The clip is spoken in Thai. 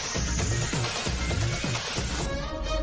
สวัสดีครับมาเจอกับแฟแล้วนะครับ